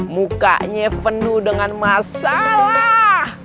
mukanya penuh dengan masalah